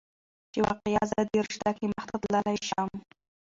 چې واقعا زه دې رشته کې مخته تللى شم.